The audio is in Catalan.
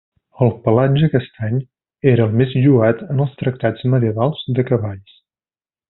El pelatge castany era el més lloat en els tractats medievals de cavalls.